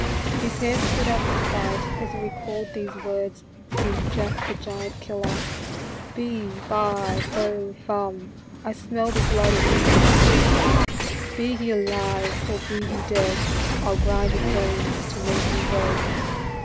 His hair stood up with fright as he recalled these words in " Jack the Giant Killer ":" Fe, fi, fo, fum, I smell the blood of an Englishman ; be he alive or be he dead, I '11 grind his bones to make me bread."